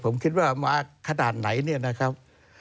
ผมคิดว่ามาขนาดไหนเนี่ยนะครับ